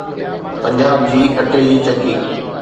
پنجاب جي اٽي جي چکی